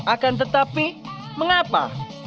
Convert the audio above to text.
akan tetapi mengapa